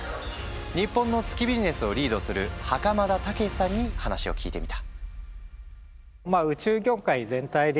日本の月ビジネスをリードする袴田武史さんに話を聞いてみた。